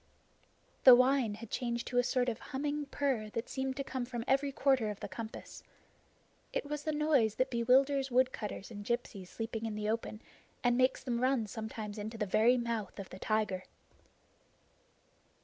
The whine had changed to a sort of humming purr that seemed to come from every quarter of the compass. It was the noise that bewilders woodcutters and gypsies sleeping in the open, and makes them run sometimes into the very mouth of the tiger.